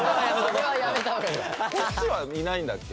こっちはいないんだっけ？